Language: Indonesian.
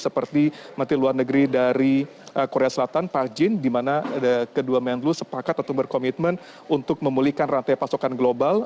seperti menteri luar negeri dari korea selatan pak jin di mana kedua menlu sepakat atau berkomitmen untuk memulihkan rantai pasokan global